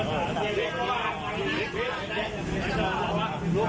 กุมในโทรศัพท์เนี่ยนี่แหละ